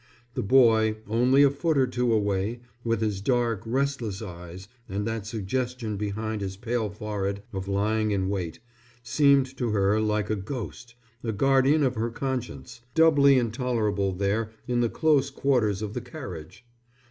The boy, only a foot or two away, with his dark, restless eyes and that suggestion behind his pale forehead of lying in wait, seemed to her like a ghost, a guardian of her conscience, doubly intolerable there in the close quarters of the carriage.